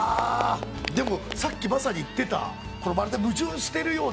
でもさっきまさに言ってたまるで矛盾してるような。